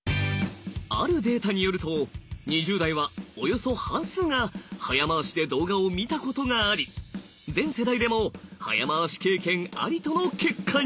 あるデータによると２０代はおよそ半数が早回しで動画を見たことがあり全世代でも早回し経験ありとの結果に。